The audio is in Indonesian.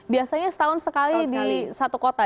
biasanya setahun sekali di satu kota